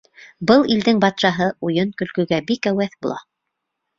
Был илдең батшаһы уйын-көлкөгә бик әүәҫ була.